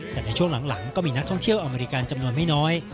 แต่ในช่วงหลังก็มีนักท่องเที่ยวอเมริกันจำนวนไม่น้อย